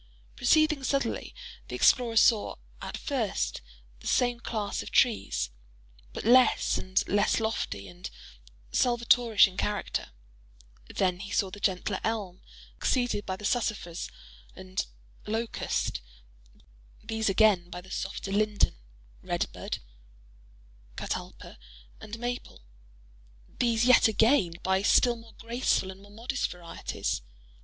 Proceeding southwardly, the explorer saw, at first, the same class of trees, but less and less lofty and Salvatorish in character; then he saw the gentler elm, succeeded by the sassafras and locust—these again by the softer linden, red bud, catalpa, and maple—these yet again by still more graceful and more modest varieties.